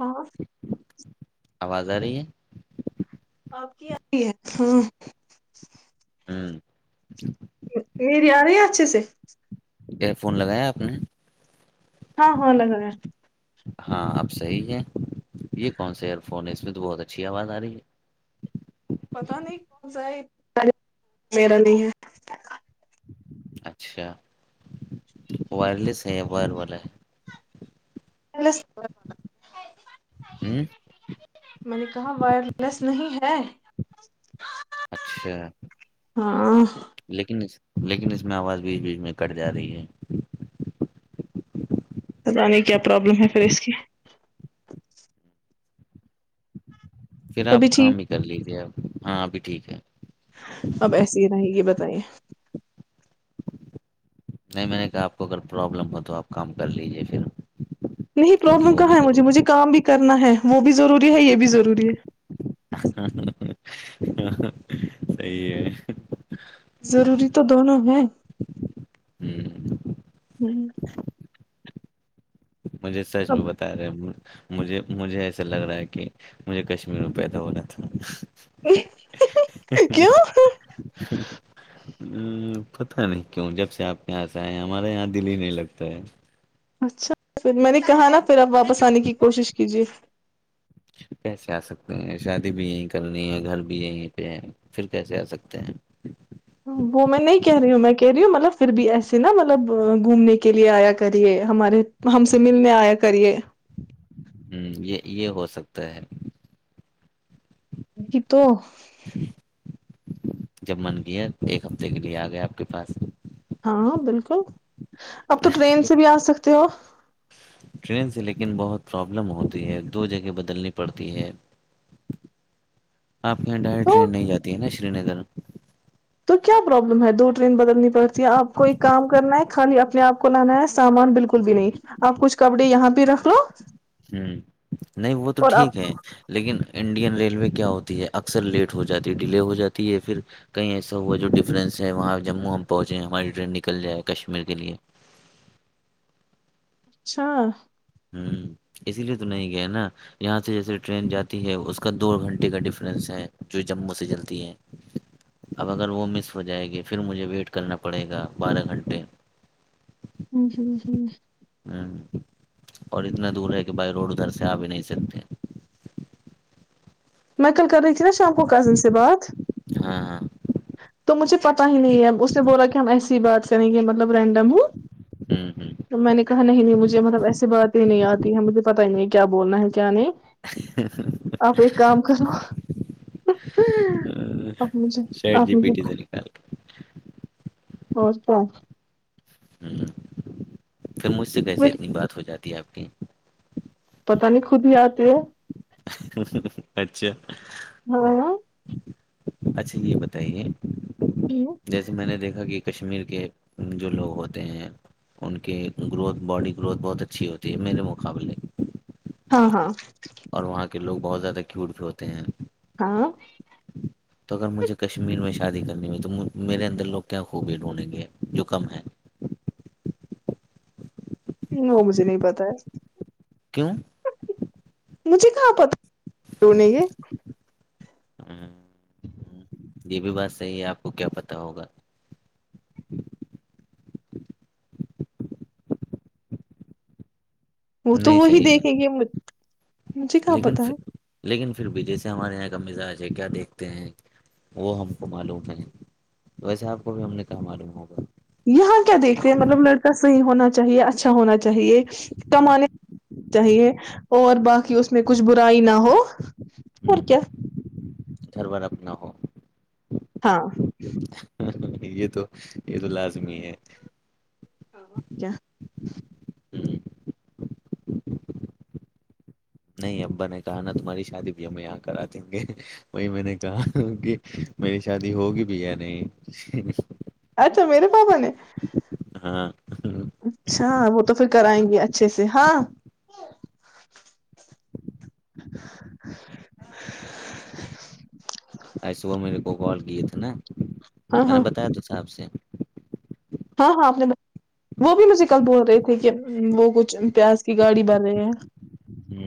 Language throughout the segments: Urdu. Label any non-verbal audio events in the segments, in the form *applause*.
ہاں آواز آ رہی ہے آپ کی آتی ہے ہاں ہوں میری آ رہے ہیں اچھے سے فون لگایا آپ نے ہاں ہاں لگا گ ہے ہاں اب صحیح ہے یہ کون سا ایئر فون ہے اس میں تو بہت اچھی آواز آ رہی ہے پتا نہیں ما نہیں ہے اچھا وائرلیس س بول بولے *unintelligible* ہے ہوں میں نے کہا وائرلیس نہیں ہے اچھا ہاں لیکن لیکن اس میں آواز بیچ بیچ میں کٹ جا رہی ہے پت نہیں کیا پرابلم ہے پھر اس کی؟ پھر ابھی آپ کام بھی ٹھیک کر لیجے اب ہاں اب بھی ٹھیک ہے اب ایسے ہی رہے یہ بتائیں نہیں میں نے کہا آپ کو اگر پروابلم ہو تو آپ کام کر لیجیے پھر نہیں کیونکہ پرابلم وہ بھی کہاں ہے مجھے ضروری مجھے کام بھی کرنا ہے *unintelligible* ضروری ہے یہ بھی ضروری ہے *unintelligible* ضروری تو دونوں ہیں *unintelligible* *unintelligible* مجھے سچ بھی بتا رہے مجھے مجھے ایسا لگ رہا ہے کہ مجھے کشمیر میں پیدا ہونا تھا *unintelligible* ہ پتہ نہیں کیوں جب سے آپ یہاں سے آئے ہمارے یہاں دل ہی نہیں لگتا ہے اچھا پھر میں نے کہا نا پھر آپ واپس آنے کی کوشش کیجیے کیسے آ سکتے ہیں شادی بھی یہیں کرنی ہے گھر بھی یہیں پہ ہے پھر کیسے آ سکتے ہیں وہ میں نہیں کہہ رہی ہوں میں کہہ رہی ہ مطلب پھر بھی ایسے نا مطلب گھومنے کے لیے آیا کریے ہمارے ہم سے ملنے آیا کریے ہوں یہ یہ ہو سکتا ہے *unintelligible* جب من کیا ایک ہفتے کے لیے آ گیا آپ کے پاس ہاں بالکل *unintelligible* اب تو ٹرین سے بھی آ سکتے تو ٹرین سے لیکن بہت پرابلم ہوتی ہے دو جگہ بدلنی پڑتی ہے آپ کے یہاں ڈائریکٹ تو ٹرین نہیں جاتی ہے نا سری نگر تو کیا پروابلم ہے دور بدلنی پڑتی ہے آپ کو ایک کام کرنا ہے خالی اپنے آپ کو لانا ہے سامان بالکل بھی نہیں آپ کچھ کپڑے یہاں پہ رکھ لو ہوں نہیں وہ تو اور آپ ٹھیک ہے لیکن انڈین ریلوے کیا ہوتی ہے اکثر لیٹ ہو جاتی ہے ڈیلے ہو جاتی ہے یا پھر کہیں ایسا ہوا جو ڈفرینس ہے وہاں جموں ہم پہنچے ہماری ٹرین نکل جائے کشمیر کے لیے اچھا ہوں اسی لیے تو نہیں گیا نا یہاں سے جیسے ٹرین جاتی ہے اس کا دو گھنٹے کا ڈفرینس ہے جو جموں سے چلتی ہے اب اگر وہ مس ہو جائے گی پھر مجھے ویٹ کرنا پڑے گا بارہ گھنٹے ہ ہ ہ ہوں اور اتنا دور ہے کہ بائی روڈ ادھر سے آ بھی نہیں سکتے میں کل کر رہی ت ن شامکو کزن سے بات ہاں ہاں تمن چ پت ہی نہیں ہے اس نے بولا کی ای بات کریں گے مطلب رینڈم ہ ہوں تو میں نے کہا نہیں نہیں مجھے مطلب ایسی باتیں نہیں آتی ہے مجھے پتا ہی نہیں کیا بولنا ہے کیا نے *inaudible* کام کرو ہوں سے آ چیٹ جی پی ٹی سے نکال اورتا ہ پھر مجھ سے کیسے اتنی بات ہو جاتی آپ کی پتہ نہیں خود ہی آتے ہیں اچھا ہاں اچھا یہ بتائیے جیسے میں نے دیکھا کہ کشمیر کے جو لوگ ہوتے ہیں ان کے گروتھ باڈی گروتھ بہت اچھی ہوتی ہے میرے مقابلے ہ ہاں اور وہاں کے لوگ بہت زیادہ کیوٹ بھی ہوتے ہیں ہاں تو اگر مجھے کشمیر میں شادی کرنی ہو تو میرے اندر لوگ کیا خوبی ڈھونڈیں گے جو کم ہے وہ مجھے نہیں پتا ہے کیوں مجھے کہاں پتا نے یہ ہ ہ یہ بھی بات صحی ہے آپ کو کیا پتا ہوگا وہ تو نہیں وہی صحیح دیکھیں ہے گے مجھے کہاں لیکن پتا ہے پھر- لیکن پھر بھی جیسے ہمارے یہاں کا مزاج ہے کیا دیکھتے ہیں وہ ہم کو معلوم ہےیں تو ویسے آپ کو بھی ہم نے کہ معلوم ہوگا ہے یہاں کیا دیکھتے ہیں مطلب لڑکا صحیح ہونا چاہیے اچھا ہونا چاہیے کمانے چاہیے اور باقی اس میں کچھ برائی نہ ہو ہ اور کیا تھھربار اپنا ہو ہاں یہ تو یہ تو لازمی ہے کیا ہ نہیں ابا نے کہا نا تمہاری شادی بھی ہمیں یہاں کرا دیں گے وہی میں نے کہا کہ میری شادی ہوگی بھی یا نہیں اچھا میرے پاپا نے ہاں اچھا وہ تو پھر کرائیں گے اچھے سے ہاں ایےبح میرے کو کال کیاے تھاے نا ہاں میں نے ہاں بتایا تھا صاحپ سے ہاں ہاں آپ نے وہ بھی مجھے کل بول رہے تھے کہ وہ کچھ پیاز کی گاڑی بن رہے ہیں ہی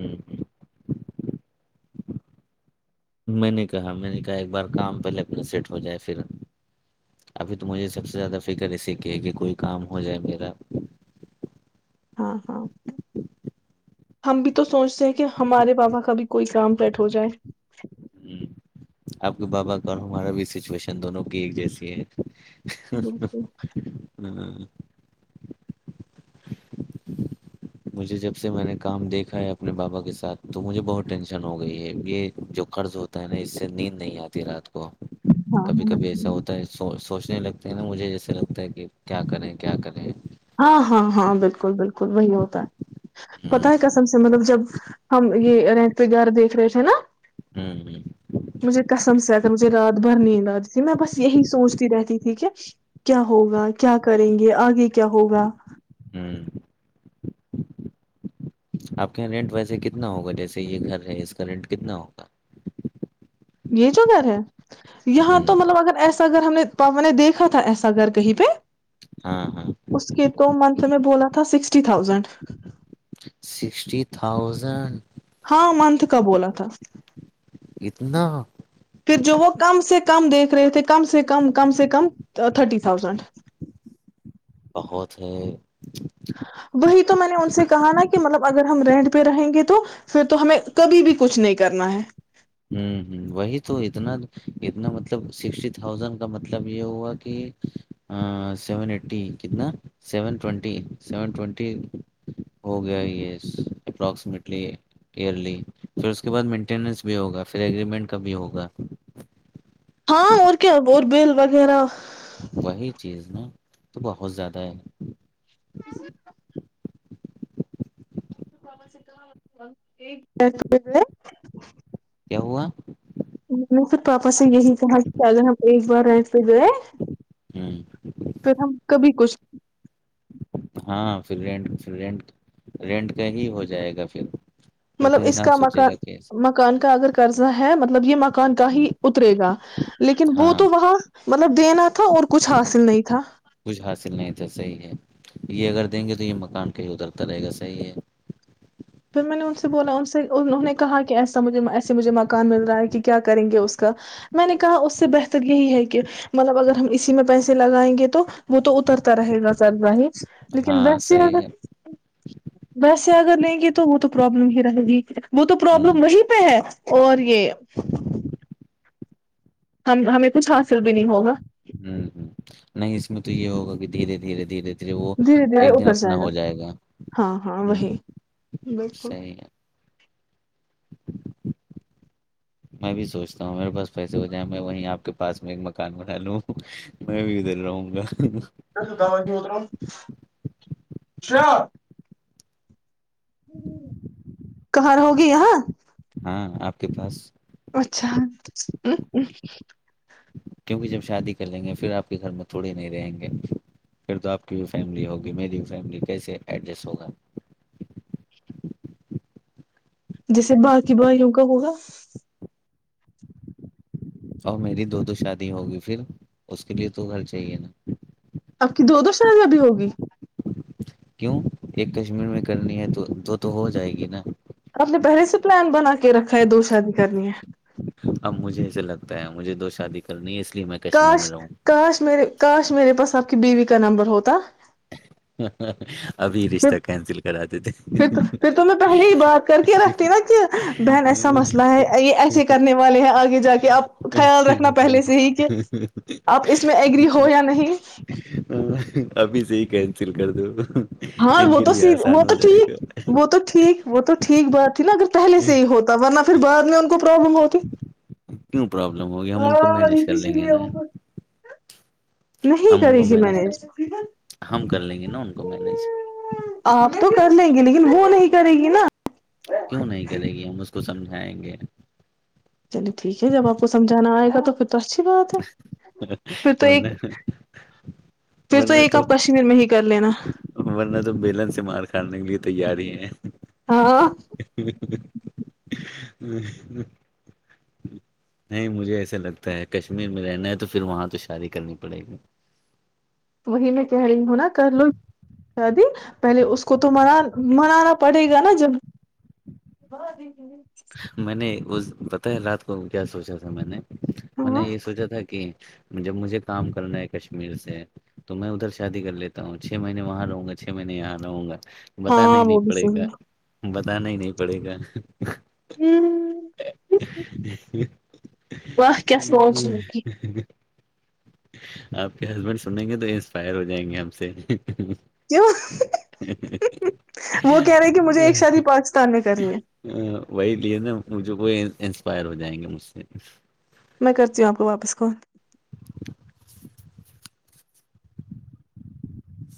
میں نے کہا میں نے کہا ایک بار کام پہلے اپنا سیٹ ہو جائے پھر ابھی تو مجھے سب سے زیادہ فکر ایے کہ ہے کہ کوئی کام ہو جائے میرا ہاں ہاں ہم بھی تو سوچتے ہیں کہ ہمارے پاپا کبھی کوئی کام کٹ ہو جائے ہ آپ کے بابا کا اور ہمارا بھی سچویشن دونوں کی ایک جیسی ہے بالکل ہ مجھے جب سے میں نے کام دیکھا ہے اپنے بابا کے ساتھ تو مجھے بہت ٹینشن ہو گئی ہے یہ جو قرض ہوتا ہے نا اس سے نیند نہیں آتی رات کو کبھی ہاں کبھی ایسا ہوتا ہے س سوچنے لگتا نا مجھے جیسا لگتا ہے کہ کیا کریں کیا کریں ہاں ہاں ہاں بالکل بالکل وہی ہوتا ہے پتا ہوں ہے کسم سے مطلب جب ہم یہ رینٹ پہ گار دیکھ رہے تھے نا ہوں مجھے کسم سے مجھے رات بھر نیند آتی تھی میں بس یہی سوچتی رہتی تھی کہ کیا ہوگا کیا کریں گے آگے کی کیا ہوگا ہوں ہوں۔ آپ کے یہاں رینٹ ویسے کتنا ہوگا جیسے یہ گھر ہے اس کا رینٹ کتنا ہوگا یہ جو گھر ہے یہاں ہوں تو مطلب اگر ایس ایسا گھر ہم نے پاپا نے دیکھا تھا ایسا گھر کہیں پہ ہاں ہاں اس کے تو منتھ میں بولا تھا سکسٹی تھاؤزینڈ سکسٹی تھاؤزنڈ ہاں منتھ کا بولا تھا اتنا پھر جو وہ کم سے کم دیکھ رہے تھے کم سے کم کم کم سے کم تھرٹی تھازنڈ بہت ہی وہی تو میں نے ان سے کہا نا کہ مطلب اگر ہم رینٹ پہ رہیں گے تو پھر تو ہمیں کبھی بھی کچھ نہیں کرنا ہے ہ ہ وہی تو اتنا اتنا مطلب سٹی تھازینڈ کا مطلب یہ ہوا کہ سیون ای کتنا سیونٹ سیونٹ ہو گیا یہ اپرٹلی ایئرلی پھر اس کے بعد مینس بھی ہوگا پھر ایگریمنٹ کا بھی ہوگا ہاں اور کیا ب بل وغیرہ وہی چیز نا تو بہت زیادہ ہے رینٹ پہ گئے، کہ ہوا میں نے خود پاپا سے یہی کہا کہ اگر ہم ایک بار رہ پھر گئے ہوں پھر ہم کبھی کچھ ہاں پھر رینٹ رینٹ رینٹ کا ہی ہو جائے گا پھر پھر مطلب تو اس انسان کا سوچے گا مکان کہ مکان کا اگر قرضہ ہے مطلب مب یہ مکان کا ہوں ہی اترے گا لیکن وہ ہاں تو وہاں مطلب دینا تھا اور کچھ حاصل نہیں تھا کچھ حاصل نہیں تھا صحیح ہے یہ اگر دیں گے تو یہ مکان کہ ہی اترتا رہے گا صحیح ہے پھر میں نے ان سے بولا ان سے انہوں نے کہا کہ ایسا مجھے ایسا سے مجھے مکان مل رہا ہے کہ کیا کریں گے اس کا میں نے کہا اس سے بہتر یہی ہے کہ مطلب اگر ہم اسی میں پیسے لگائیں گے تو وہ تو اترتا رہے نظر نہیں لیکن ہاں ویسے صحیح ہے ویسےد اگر نہیں تو وہ تو پرابلم ہی رہے گی وہ تو ہوں پروابلم وہیں پہ ہے اور یہ ہم ہمیں کچھ حاصل بھی نہیں ہوگا ہوں ہ نہیں اس میں تو یہ ہوگا کہ دھیرے دھیرے دھیرے د دھیرے دھیرے اپر جائے گا ہاں ہاں وہی ہوں بالکل صحیح ہے میں بھی سوچتا ہوں میرے پاس پیسے ہو جائیں میں وہیں آپ کے پاس میں ایک مکان بنا لوں میں بھی ادھر رہوں گا دوا اور ش کہر ہوگی ہاں ہاں آپ کے پاس اچھا کیکہ جب شادی کر لیں گے پھر آپ کے گھر میں تھوڑے نہیں رہیں گے پھر تو آپ کی بھی فیملی ہوگی میری بھی فیملی کیسے ایڈجسٹ ہوگا جیسے باقی بائیوں کا ہوگا اور میری دو دو شادی ہوگی پھر اس کے لیے تو گھر چاہیے نا آپ کی دو دو شرادیاں بھیھی ہوگی کیوں ایک کشمیر میں کرنی ہے تو وہ تو ہو جائے گی نا آپ نے پہلے سے پلان بنا کے رکھا ہے دو شادی کرنی ہے اب مجھے ایسے لگتا ہے مجھے دو شادی کرنی ہے اس لیے میں کشمیر کاش میں رہوں کاش میرے کاش میرے پسند بیوی کا نمبر ہوتا *unintelligible* ابھی پھر رشتہ کینسل کرا دی تھے پھر تو پھر تو میں پہلے ہی بات کر کے رکھتی نا کہ بہن ایسا مسئلہ ہے یہ ایسے کرنے والے ہیں آگے جا کے آپ خیال رکھنا پہلے سے ہی کہ آپ اس میں ایگری ہو یا نہیں ابھی صی کہیں سل کر دو ہاں ان وہ کے تو س لیے وہ آسان ہو تو جائے ٹھیک گا وہ تو ٹھیک وہ تو ٹھیک بات نا اگر پہل سے ہی ہوتا ورنہ پھر بع میں ہم کو پرابلم ہوتی کیوں پرابلم ہوگی ہم ان کو مینج کر لیں گے نا نہیں ہم ان کری کو گی مینج کر ہم کر لیں گے نا ان کو مینج آپ تو کر لیں گے وہ نہیں کرے گی نا کیوں نہیں کرے گی ہم اس کو سمجھائیں گے چلیے ٹھیک ہے جب آپ کو سمجھانا آئے گا تو پھر تو اچھی بات ہے پھر تو ورنہ ایک پھر ورنہ ایک تو آپ کشمیر میں ہی کر لینا ورنہ تو بیلن سے مار کھڑنے کے لیے تیار ہی ہے ہاں ہ *unintelligible* نہیں مجھے ایسا لگتا ہے کشمیر میں رہنا ہے تو پھر وہاں تو شادی کرنی پڑے گی وہ میں کہہ رہی ہوں نا کر لو شادی پہلے اس کو تو منانا پڑے گا نا جب وہ پتہ ہے رات کو کیا سوچا تھا میں نے م نے ہاں یہ سوچا تھا کہ جب مجھے کام کرنا ہے کشمیر سے تو میں ادھر شادی کر لیتا ہوں چھ مہینے وہاں رہوں گا چھ مہینے یہاں رہوں گا بتاا ہی ہاں وہ نہیں بھی پڑے گا صحیح بتانا ہی نہیں پڑے گا ج *unintelligible* آ کیاس سوالچ ک آپ کے ہسبینڈ سنیں گے تو انسپائر ہو جائیں گے ہم سے کیوں وہ کہہ رہے کہ مجھے ایک شادی پاکستان میں کرنی ہے وہی لے نا مجھے وہ انسپائر ہو جائیں گے مجھ سے میں کرتی ہوں آپ کو واپس کون